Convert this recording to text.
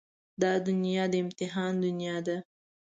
دا دنيا د امتحان دنيا ده.